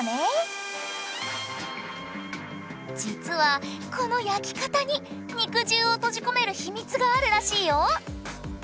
実はこの焼き方に肉汁を閉じ込める秘密があるらしいよ。